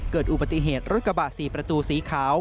เกิดอุบัติเหตุรถกระบะ๔ประตูสีขาว